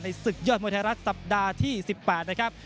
ศึกยอดมวยไทยรัฐสัปดาห์ที่๑๘นะครับ